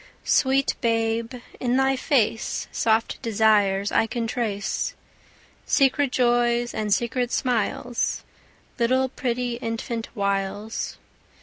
Sweet babe, in thy face Soft desires I can trace, Secret joys and secret smiles, Little pretty infant wiles.